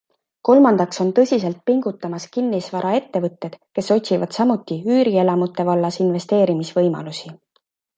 Kolmandaks on tõsiselt pingutamas kinnisvaraettevõtted, kes otsivad samuti üürielamute vallas investeerimisvõimalusi.